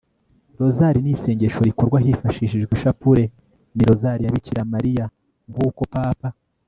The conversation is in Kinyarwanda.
rozari ni isengesho rikorwa hifashishijwe ishapule. ni rozari ya bikira mariya nk'uko papa